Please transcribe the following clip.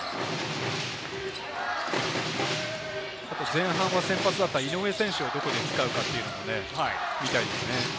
前半は先発だった井上選手をどこで使うかというのも見たいですよね。